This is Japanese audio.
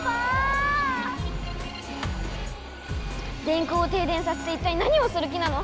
電空を停電させていったい何をする気なの？